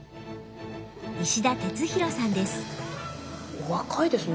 お若いですね。